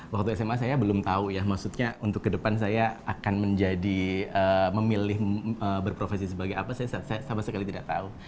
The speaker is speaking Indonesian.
waktu sma saya belum tahu ya maksudnya untuk kedepan saya akan menjadi memilih berprofesi sebagai apa saya sama sekali tidak tahu